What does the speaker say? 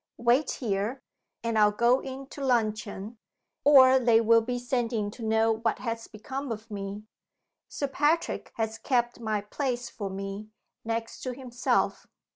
Wait here and I'll go in to luncheon, or they will be sending to know what has become of me. Sir Patrick has kept my place for me, next to himself.